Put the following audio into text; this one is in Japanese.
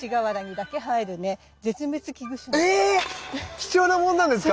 貴重なもんなんですか？